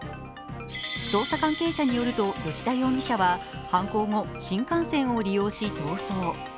捜査関係者によると葭田容疑者は犯行後、新幹線を利用し逃走。